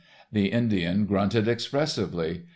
The Indian grunted expressively.